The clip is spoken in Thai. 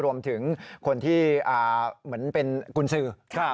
รวมถึงคนที่เหมือนเป็นกุญสือ